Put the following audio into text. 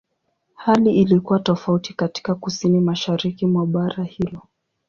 Hali ilikuwa tofauti katika Kusini-Mashariki mwa bara hilo.